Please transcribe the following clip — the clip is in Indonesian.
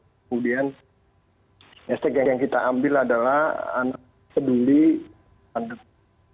kemudian hashtag yang kita ambil adalah anak peduli pandemi